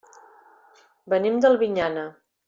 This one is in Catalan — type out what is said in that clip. Venim d'Albinyana.